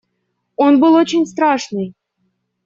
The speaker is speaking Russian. Он был очень страшный.